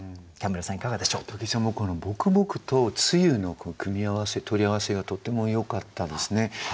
武井さんの「ぼくぼく」と「梅雨」の組み合わせ取り合わせがとってもよかったですね。